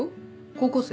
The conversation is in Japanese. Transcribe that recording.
高校生。